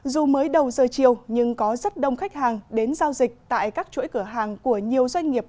dù mới đầu giờ chiều nhưng có rất đông khách hàng đến giao dịch tại các chuỗi cửa hàng của nhiều doanh nghiệp